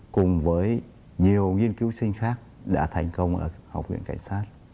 cùng với nhiều nghiên cứu sinh khác đã thành công ở học viện cảnh sát